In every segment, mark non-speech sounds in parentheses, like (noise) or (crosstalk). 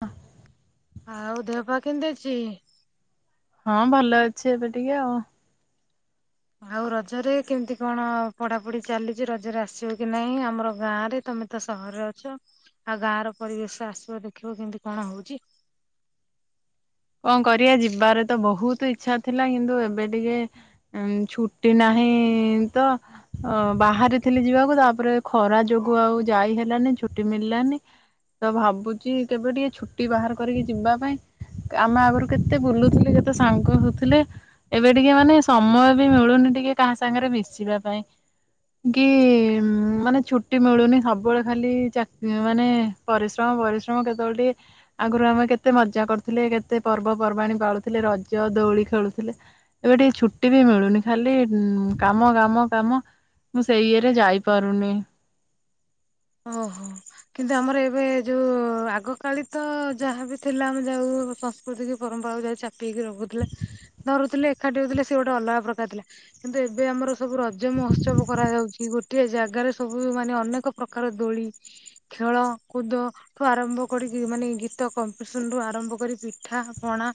ହଁ। ଆଉ ଦେହ ପାଆ କେମିତି ଅଛି? ହଁ ଭଲ ଅଛି ଏବେ ଟିକେ ଆଉ। ଆଉ ରଜରେ କେମିତି କଣ ପଢାପଢି ଚାଲିଛି ରଜରେ ଆସିବ କି ନହିଁ ଆମର ଗାଁ ରେ ତମେ ତ ସହରରେ ଅଛ ଆଉ ଗାଁ ର ପରିବେଶ ଆସିବ ଦେଖିବ କେମିତି କଣ ହଉଛି। କଣ କରିବା ଯିବାରେ ତ ବହୁତ ଇଚ୍ଛା ଥିଲା କିନ୍ତୁ ଏବେ ଟିକେ ଛୁଟି ନାହିଁ ତ ଅ ବାହାରେ ଥିଲି ଯିବାକୁ ତାପରେ ଖରା ଯୋଗୁ ଆଉ ଯାଇ ହେଲାନି ଛୁଟି ମିଳିଲାନି। ତ ଭାବୁଛି କେବେ ଟିକେ ଛୁଟି ବାହାର କରିକି ଯିବା ପାଇଁ। ଆମେ ଆଗରୁ କେତେ ବୁଲୁଥିଲେ କେତେ ସାଙ୍ଗ ହଉଥିଲେ। ଏବେ ଟିକେ ମାନେ ସମୟ ବି ମିଳୁନି ଟିକେ କାହା ସାଙ୍ଗରେ ମିଶିବା ପାଇଁ। କି ମାନେ ଛୁଟି ମିଳୁନି ସବୁବେଳେ ଖାଲି ଚାକ୍ ମାନେ ପରିଶ୍ରମ ପରିଶ୍ରମ କେତେବେଳେ ଟିକେ ଆଗରୁ ଆମେ କେତେ ମଜା କରୁଥିଲେ। କେତେ ପର୍ବପର୍ବାଣିୀ ପାଳୁଥିଲେ ରଜ ଦଉଳି ଖେଳୁଥିଲେ। ଏବେ ଟିକେ ଛୁଟି ବି ମିଳୁନି ଖାଲି କାମ କାମ କାମ। ମୁଁ ସେଇ ଇରେ ଯାଇପାରୁନି। ଓହୋ। କିନ୍ତୁ ଆମର ଏବେ ଯୋଉ ଆଗକାାଳେ ତ ଯାହାବ ଥିଲା ଆମେ ଯାଉ ମୁଁ କହିଲି ସିଏ ଯୋଉ ପରମ୍ପରା କୁ ପରମ୍ପ ହଉ ଯାଇଛି ଚାପ୍ ପିଇକି ରଖୁଥିଲ, ଧରୁଥିଲେ ଏକାଠି ହଉଥିଲେ ସେ ଗୋଟେ ଅଲଗା ପ୍ରକାର ଥିଲା କିନ୍ତୁ ଏବେ ଆମର ସବୁ ରଜ ମହୋତ୍ସବ କରାଯାାଉଛି ଗୋଟିଏ ଜାଗାରେ ସବୁ ମାନେ ଅନେକ ପ୍ରକାର ଦୋଳି ଖେଳ, କୁଦ ଠୁ ଆରମ୍ଭ କରିକି ମାନେ ଗୀତ କମ୍ପିଟିସନ ରୁ ଆରମ୍ଭ କରିିକି ପିଠା ପଣା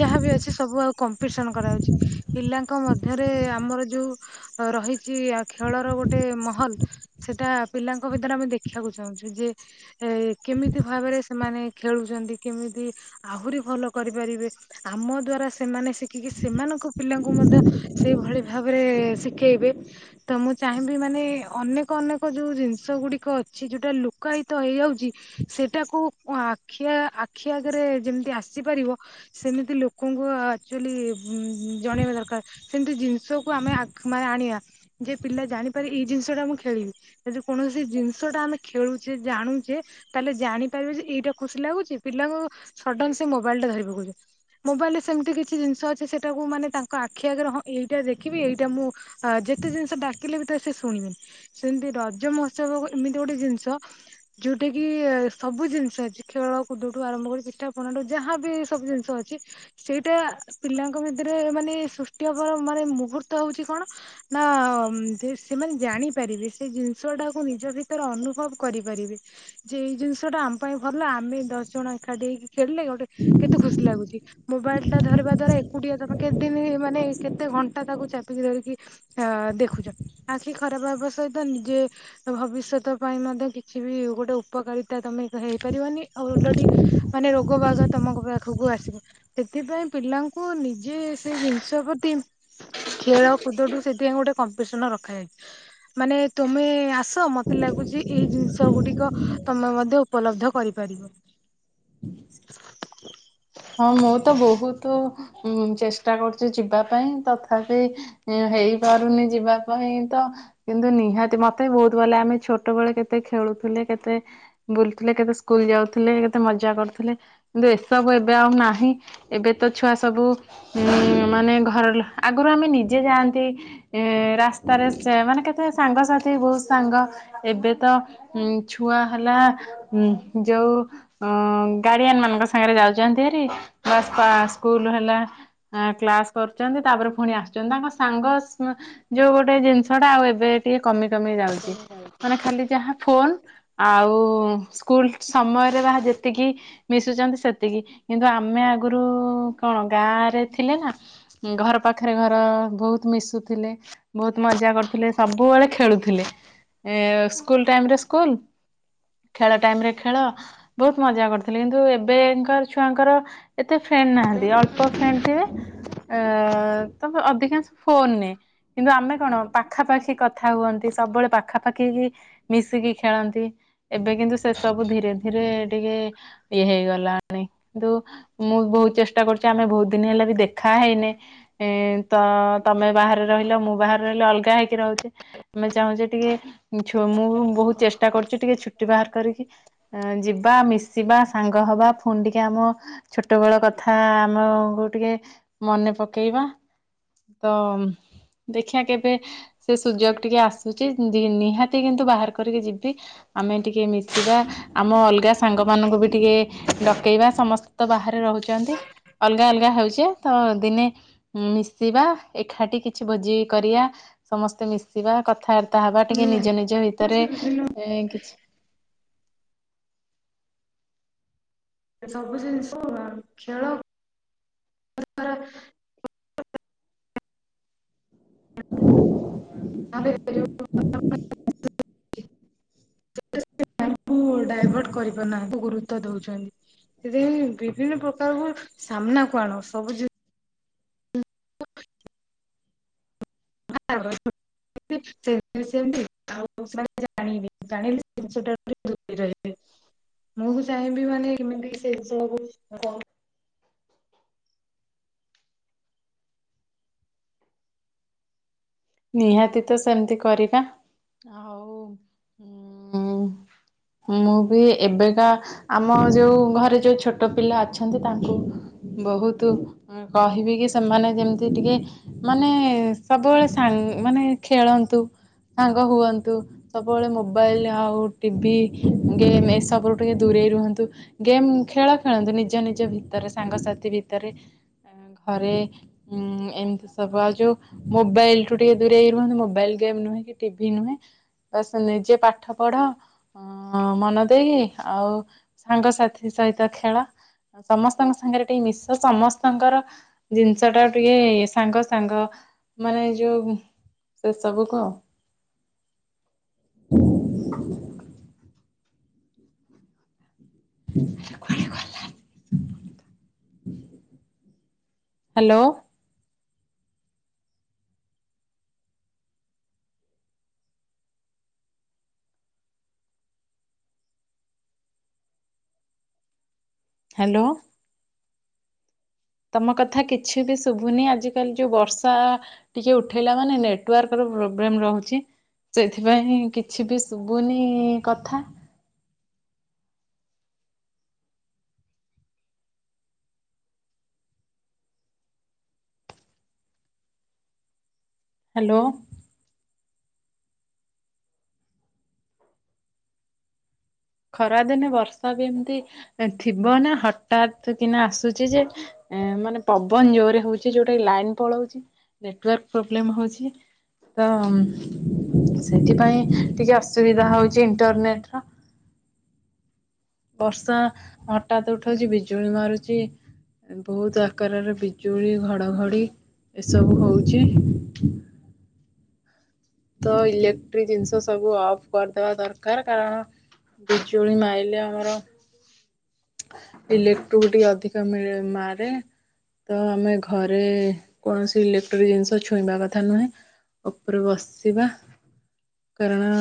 ଯାହାବ ଅଛି ସବୁ ଆଉ କମ୍ପିଟିସନ କରାଯାାଉଛି ପିଲାଙ୍କ ମଧ୍ୟରେ ଆମର ଯୋଉ ଅ ରହିଛି ଆ ଖେଳର ଗୋଟେ ମହଲ ସେଟା ପିଲାଙ୍କ ଭିତରେ ଆମେ ଦେଖିବାକୁ ଚାହୁଁଛୁ ଯେ ଏ କେମିତି ଭାବରେ ସେମାନେ ଖେଳୁଛନ୍ତି କେମିତି ଆହୁରି ଭଲ କରିପାରିବେ। ଆମ ଦ୍ଵାରା ସେମାନେ ଶିଖିକି ସେମାନଙ୍କ ପିଲାଙ୍କୁ ମଧ୍ୟ ସେ ଭଳି ଭାବରେ ଶିଖେଇବେ ତ ମୁଁ ଚାହିଁବି ମାନେ ଅନେକ ଅନେକ ଯୋଉ ଜିନିଷ ଗୁଡିକ ଅଛି ଯୋଉଟା ଲୁକାୟିତ ହେଇଯାଉଛି ସେଟାକୁ ଆଖିଆ ଆଖି ଆଗରେ ଯେମିତି ଆସିପାରିବ ସେମିତି ଲୋକଙ୍କୁ ଆକଚୁଆଲି ଜଣେଇବା ଦରକାର। ସେମିତି ଜିନିଷକୁ ଆମେ ଆଖ୍ ମାନେ ଆଣିବା ଯେ ପିଲା ଜାଣିପାରି ଏଇ ଜିନିଷ ଟା ମୁଁ ଖେଳିବି। ଯଦି କୌଣସି ଜିନିଷ ଟା ଆମେ ଖେଳୁଛେ ଜାଣୁଛେ ତାହେଲେ ଜାଣିପାରିବେ ଯେ ଏଇଟା ଖୁସି ଲାଗୁଛି ପିଲାଙ୍କୁ ସଡନ ସେ ମୋବାଇଲ ଟା ଧରି ପକଉଛନ୍ତି। ମୋବାଇଲ ରେ ସେମିତି କିଛି ଜିନିଷ ଅଛି ସେଟାକୁ ମାନେ ତାଙ୍କ ଆଖି ଆଗରେ ହଁ ଏଇଟା ଦେଖିବି ଏଇଟା ମୁଁ ଆ ଯେତେ ଜିନିଷ ଡାକିଲେ ବି ତ ସେ ଶୁଣିବନି ସେମିତି ରଜ ମହୋତ୍ସବ ଏମିତି ଗୋଟେ ଜିନିଷ ଯୋଉଟା କି ସବୁ ଜିନିଷ ଅଛି ଖେଳ କୁଦୁ ଠୁ ଆରମ୍ଭ କରି ପିଠା ପଣାଠୁ ଯାହାବି ସବୁ ଜିନିଷ ଚର୍ଜି ସେଇଟା ପିଲାଙ୍କ ଭିତରେ ମାନେ ସୃଷ୍ଟି ହବାର ମାନେ ମୁହୂର୍ତ୍ତ ହଉଛି କଣ ନା ଧ୍ ସେମାନେ ଜାଣିପାରିବେ ସେ ଜିନ୍ ଷ ଟାକୁ ନିଜ ଭିତରେ ଅନୁଭବ କରିପାରିବେ। ଯେ ଏଇ ଜିନିଷ ଟା ଆମ ପାଇଁ ଭଲ ଆମେ ଦଶ ଜଣ ଏକାଠି ହେଇକି ଖେଳିଲେ ଗୋଟେ କେତେ ଖୁସି ଲାଗୁଛି ମୋବାଇଲ ଟା ଧରିବା ଦ୍ଵାରା ଏକ ଏକୁଟିଆ ତମେ କେତେ ଦିନ ମାନେ କେତେ ଘଣ୍ଟା ତାକୁ ଚାପିକି ଧରିକି ଆ ଦେଖୁଛନ୍ତି ଆଖି ଖରାପ ହବା ସହିତ ନିଜେ ଭବିଷ୍ୟତ ପାଇଁ ମଧ୍ୟ କିଛି ବି ଗୋଟେ ଉପକାରି ତମେ ହେଇପାରିବନି ଆଉ ଓଲଟି ମାନେ ରୋଗ ବାଗ ତମଙ୍କ ପାଖକୁ ଆସିବ ସେଥିପାଇଁ ପିଲାଙ୍କୁ ନିଜେ ସେଇ ଜିନିଷ ପ୍ରତି। ଖେଳକୁୁଦ ଠୁ ସେଥିପାଇଁ ଗୋଟେ କମ୍ପିଟିସନ ରଖାଯାଏ ମାନେ ତମେ। ଆସ ମତେ ଲାଗୁଛି ଏଇ ଜିନିଷ ଗୁଡିକ ତମେ ମଧ୍ୟ। ଉପଲବ୍ଧ କରିପାରିବ। ହଁ ମୁଁ ତ ବହୁତୁ ଉଁ ଚେଷ୍ଟା କରୁଛି ଯିବା ପାଇଁ ତଥାପି। ଇଁ ହେଇପାରୁନି ଯିବା ପାଇଁ ତ। କିନ୍ତୁ ନିହାତି ମତେ ବି ବହୁତ କହିଲେ ଆମେ ଛୋଟବେଳେ କେତେ ଖେଳୁଥିଲେ କେତେ। ବୁଲୁଥିଲେ କେତେ ସ୍କୁଲ ଯାଉଥିଲେ କେତେ ମଜା କରୁଥିଲେ କିନ୍ତୁ ଏସବୁ ଏ ଏବେ ଆଉ ନାହିଁ ଏବେ ତ ଛୁଆ ସବୁ ଉଁ ମାନେ ଘର ଲ ଆଗରୁ ଆମେ ନିଜେ ଯାଆନ୍ତି। ଏ ରାସ୍ତାରେ ସେ ମାନେ କେତେ ସାଙ୍ଗସଥି ବହୁତ ସାଙ୍ଗ। ଏବେ ତ ଉଁ ଛୁଆ ହେଲା। ହୁଁ ଯଉ ଅ ଗାଡିଆନ ମାନଙ୍କ ସାଙ୍ଗରେ ଯାଉ ଚନ୍ତି ହେରି ପ୍ଲସ ତା ସ୍କୁଲ ହେଲା। ଆଁ କ୍ଲାସ କରୁଛନ୍ତି ତାପରେ ପୁଣି ଆସୁଛନ୍ତି ତାଙ୍କ ସାଙ୍ଗ ସ୍ମ ଯୋଉ ଗୋଟେ ଜିନିଷ ଟା ଆଉ ଏବେ ଟିକେ କମି କମି ଯାଉଛି ମାନେ ଖାଲି ଯାହା ଫୋନ। ଆଉ ସ୍କୁଲ ସମୟରେ ଯାହା ଯେତିକି ମିଶୁଛନ୍ତି ସେ ତିକି କିନ୍ତୁ ଆମେ ଆଗରୁ କଣ ଗାଁରେ ଥିଲେ ନା। ଉଁ ଘର ପାଖରେ ଘର ବହୁତ ମିଶୁଥିଲେ। ବହୁତ ମଜା କରୁଥିଲେ ସବୁବେଳେ ଖେଳୁଥିଲେ ଏ ସ୍କୁଲ ଟାଇମ ରେ ସ୍କୁଲ। ଖେଳ ଟାଇମ ରେ ଖେଳ ବହୁତ ମଜା କରୁଥଲେ କିନ୍ତୁ ଏବେ। ଛୁଆଙ୍କର ଏତେ ଫ୍ରେଣ୍ଡ ନାହାନ୍ତି ଅଳ୍ପ ଫ୍ରେଣ୍ଡ ଥିବେ। ଅ ତ ବ ଅଧିକାଂଶ ଫୋନ ନେ। କିନ୍ତୁ ଆମେ କଣ ପାଖାପାଖି କଥା ହୁଅନ୍ତି ସବୁବେଳେ ପାଖା ପାଖି କି। ମିଶିକି ଖେଳନ୍ତି ଏବେ କିନ୍ତୁ ସେ ସବୁ ଧୀରେ ଧୀରେ ଟିକେ ଇଏ ହେଇଗଲା। ଭି କିନ୍ତୁ ମୁଁ ବହୁତ ଚେଷ୍ଟା କରୁଛି ଆମେ ବହୁତ ଦିନ ହେଲା ବି ଦେଖା ହେଇନି ଏ। ତ ତମେ ବାହାରେ ରହିଲ ମୁଁ ବାହାରେ ରହିଲି ଅଲଗା ହେଇକି ରହୁଛି ଆମେ ଚାହୁଁଛେ ଟିକେ। ଛୁ ମୁଁ ବହୁତ ଚେଷ୍ଟା କରୁଛି ଟିକେ ଛୁ ଟି ବାହାର କରିକି ଏଁ ଯିବା ମିଶିବା ସାଙ୍ଗ ହବା। ପୁଣି ଟିକେ ଆମ ଛୋଟ ବେଳ କଥା ଆମ କୁ ଟିକେ ମନେ ପକେଇବା। ତ ଦେଖିବା କେବେ। ସେ ସୁଯୋଗ ଟିକେ ଆସୁଛି ଦି ନିହାତି କିନ୍ତୁ ବାହାର କରିକି ଯିବି। ଆମେ ଟିକେ ମିଶିବା ଆମ ଅଲଗା ସାଙ୍ଗମାନଙ୍କୁ ବି ଟିକେ ଡ ଡକେଇବା ସମସ୍ତେ ତ ବାହାରେ ରହୁଛନ୍ତି ଅଲଗା ଅଲଗା ହେଉଛେ ତ ଦିନେ। ଉଁ ମିଶିବା ଏକାଠି କିଛି ଭୋଜି କରିବା ସମସ୍ତେ ମିଶିବା କଥା ତା ହବା ଟିକେ ନିଜ ନିଜ ଭିତରେ ବିଭିନ୍ନ ଏ କିଛି। ସବୁ ଜିନିଷ ଆଉ ଖେଳ ଦ୍ୱାରା। ଆମେ ଏ ଯୋଉ। ହଁ (unintelligible) ଡାଇଭଟ କରିପାରୁନାହାନ୍ତି (unintelligible) ଦଉଛନ୍ତି ସେଥିପାଇଁ ବିଭିନ୍ନ ପ୍ରକାର ସାମ୍ନା କଣ ସବୁ ଜି (unintelligible) ସେ (unintelligible) ସେମିତି ଆଉ ସ ମାନେ ଜାଣିନି ଜାଣିଲେ (unintelligible) ମୁଁ ବି ଚାହିଁବି ମାନେ କେମିତି ସେ ସବୁ ଅ ନିହାତି ତ ସେମିତି କରିବା ଆଉ ଉଁ। ଆ (unintelligible) ମୁଁ ବି ଏବେକା ଆମ ଯୋଉ ଘରେ ଯୋଉ ଛୋଟ ପିଲା ଅଛନ୍ତି ତାଙ୍କୁ ବହୁତୁ କହିବି କି ସେମାନେ ଯେମିତି ଟିକେ ମାନେ ସବୁବେଳେ ସାଙ୍ଗ୍ ମାନେ ଖେଳନ୍ତୁ ସାଙ୍ଗ ହୁଅନ୍ତୁ। ସବୁବେଳେ ମୋବାଇଲ ଆଉ ଟିଭି ଗେମ୍ ଏସବୁରୁ ଟିକେ ଦୂରେଇ ରୁହନ୍ତୁ। ଗେମ୍ ଖେଳ ଖେଳନ୍ତୁ ନିଜ ନିଜ ଭିତରେ ସାଙ୍ଗସାଥି ଭିତରେ। କାଇଁ ନା ଘରେ ହମ୍ ଏମିତି ସବୁ ଆ ଯୋଉ ମୋବାଇଲ ଠୁ ଟିକେ ଦୂରେଇ ରୁହନ୍ତୁ ମୋବାଇଲ ଗେମ୍ ନୁହେଁ କି ଟିଭି ନୁହେଁ ବାସ ନିଜେ ପାଠ ପଢ। ଅ ମନ ଦେଇକି ଆଉ ସାଙ୍ଗସାଥି ସହିତ ଖେଳ। ସମସ୍ତଙ୍କ ସାଙ୍ଗରେ ଟିକେ ମିଶ ସମସ୍ତଙ୍କର ଜିନିଷ ଟା ଟିକେ ସାଙ୍ଗ ସାଙ୍ଗ ମାନେ ଯୋଉ ସେସବୁ କୁ ଆଉ। ହ ଆରେ କୁଆଡେ ଗଲା? ହ୍ୟାଲୋ। ହ୍ୟାଲୋ। ତମ କଥା କିଛି ବି ଶୁଭୁନି ଆଜିକାଲି ଯୋଉ ବର୍ଷା ଟିକେ ଉଠେଇଲା ମାନେ ନେଟୱାର୍କ ର ପ୍ରୋବ୍ଲେମ ରହୁଛି। ସେଥିପାଇଁ କିଛି ବି ଶୁଭୁନି କଥା। ହ୍ୟାଲୋ। ଖରାଦିନେ ବର୍ଷା ବି ଏମିତି ଥିବ ନା ହଠାତ୍ କିନା ଆସୁଛି ଯେ ଏ ମାନେ ପବନ ଜୋରେ ହଉଛି ଯୋଉଟା କି ଲାଇନ ପଳଉଛି ନେଟୱାର୍କ ପ୍ରୋବ୍ଲେମ ହଉଛି। ତ ହମ୍ ସେଥିପାଇଁ ଟିକେ ଅସୁବିଧା ହଉଛି ଇଣ୍ଟରନେଟ ର। ବର୍ଷା ହଠାତ୍ ଉଠଉଛି ବିଜୁଳି ମାରୁଛି। ବହୁତ ଆକାରରେ ବିଜୁଳି ଘଡ଼ଘଡ଼ି ଏସବୁ ହଉଛି। ତ ଇଲେକ୍ଟ୍ରିକ ଜିନିଷ ସବୁ ଅଫ୍ କରିଦବା ଦରକାର କାରଣ ବିଜୁଳି ମାଇଲେ ଆମର ଇଲେକ୍ଟ୍ରିକୁ ଟିକେ ଅଧିକ ମିଳେ ମାରେ। ତ ଆମେ ଘରେ କୌଣସି ଇଲେକ୍ଟ୍ରିକ୍ ଜିନିଷ ଛୁଇଁବା କଥା ନୁହେଁ। ଓପରେ ବସିବା କାରଣ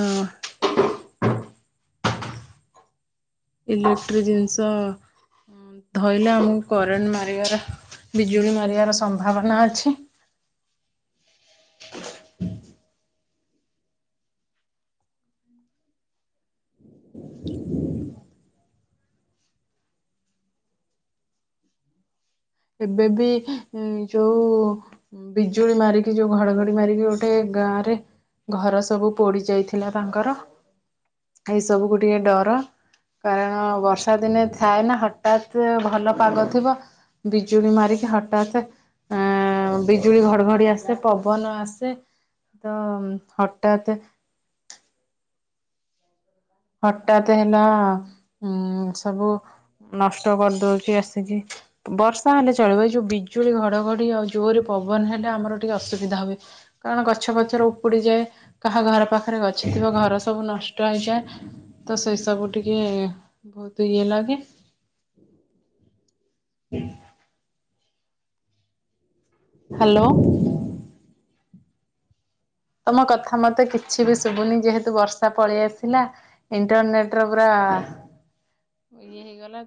ଇଲେକ୍ଟ୍ରିକ ଜିନିଷ ଧଇଲେ ଆମକୁ କରେଣ୍ଟ ମାରିବାର ବିଜୁଳି ମାରିବାର ସମ୍ଭାବନା ଅଛି। ହ ଏବେ ବି ଯୋଉ ବିଜୁଳି ମାରିକି ଯୋଉ ଘଡଘଡି ମାରିକି ଯୋଉ ଗୋଟେ ଗାଁ ରେ ଘର ସବୁ ପୋଡି ଯାଇଥିଲା ତାଙ୍କର ଏଇ ସବୁକୁ ଟିକେ ଡର। କାରଣ ବର୍ଷା ଦିନେ ଥାଏନା ହଠାତ୍ ଭଲ ପାଗ ଥିବ ବିଜୁଳି ମାରିକି ହଠାତ୍ ଆ ବିଜୁଳି ଘଡ଼ଘଡ଼ି ଆସେ ପବନ ଆସେ। ତ ହଠାତେ ହଠାତ୍ ହେଲା ଉଁ ସବୁ ନଷ୍ଟ କରିଦଉଛି ଆସିକି। ବର୍ଷା ହେଲେ ଚଳିବ। ଏଇ ଯୋଉ ବିଜୁଳି ଘଡଘଡି ଆଉ ଜୋରେ ପବନ ହେଲେ ଆମର ଟିକେ ଅସୁବିଧା ହୁଏ। କାରଣ ଗଛପଛର ଉପୁଡ଼ିଯାଏ। କାହା ଘର ପାଖରେ ଗଛ ଥିବ ଘର ସବୁ ନଷ୍ଟ ହେଇଯାଏ। ତ ସେଇସବୁ ଟିକେ ବହୁତ ଇଏ ଲାଗେ। ହୁଁ। ହାଲୋ ତମ କଥା ମତେ କିଛି ବି ସୁଭୁନି। ଯେହେତୁ ବର୍ଷା ପଳେଇ ଆସିଲା। ଇଣ୍ଟରନେଟ ର ପୁରା। ଇଏ ହେଇଗଲାଣି।